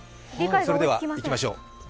それでは行きましょう。